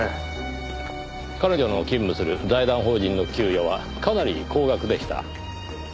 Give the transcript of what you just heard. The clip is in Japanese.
彼女の勤務する財団法人の給与はかなり高額でした。